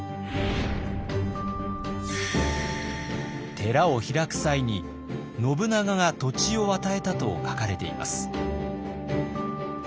寺を開く際に信長が土地を与えたと書かれています。